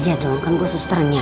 iya dong kan gue susternya